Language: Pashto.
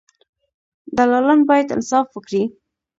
دلالان باید انصاف وکړي.